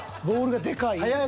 ボールがでかい？